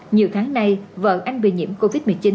nhiều tháng nay vợ anh bị nhiễm covid một mươi chín